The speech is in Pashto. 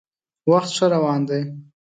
وخت ښه روان دی.